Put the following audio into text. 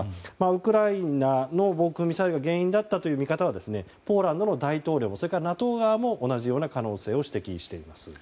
ウクライナの防空ミサイルが原因だったという見方はポーランドの大統領もＮＡＴＯ側も同じような可能性を指摘しています。